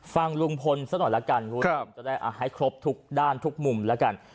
ฟังลุงพลสักหน่อยแล้วกันครับจะได้ให้ครบทุกด้านทุกมุมแล้วกัน